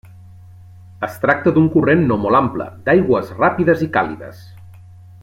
Es tracta d'un corrent no molt ample, d'aigües ràpides i càlides.